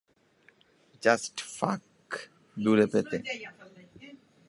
Just ফাক দূরে পেতে!